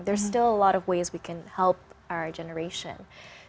ada banyak cara yang kita bisa bantu generasi kita